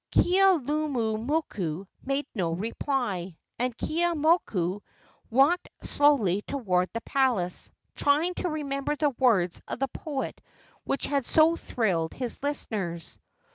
Keaulumoku made no reply, and Keeaumoku walked slowly toward the palace, trying to remember the words of the poet which had so thrilled his listeners.